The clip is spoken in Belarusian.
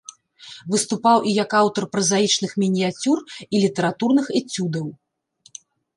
Выступаў і як аўтар празаічных мініяцюр і літаратурных эцюдаў.